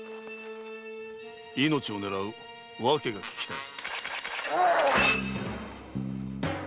命を狙う理由が聞きたい。